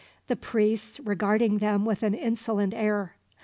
The priests regarded them with an insolent air.